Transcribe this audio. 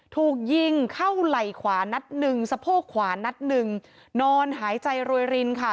ถูกยิงเข้าไหล่ขวานัดหนึ่งสะโพกขวานัดหนึ่งนอนหายใจรวยรินค่ะ